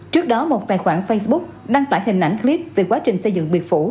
trước đó một tài khoản facebook đăng tải hình ảnh clip về quá trình xây dựng biệt phủ